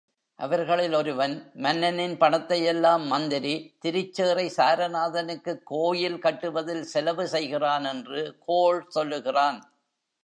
அவர்களில் ஒருவன் மன்னனின் பணத்தையெல்லாம் மந்திரி திருச்சேறை சாரநாதனுக்குக் கோயில் கட்டுவதில் செலவு செய்கிறான் என்று கோள் சொல்லுகிறான்.